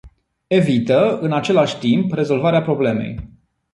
Evită, în același timp, rezolvarea problemei.